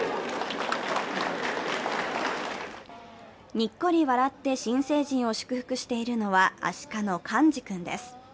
ニッコリ笑って新成人を祝福しているのはアシカのカンジ君です。